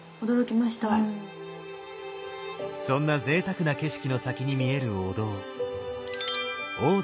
そんなぜいたくな景色の先に見えるお堂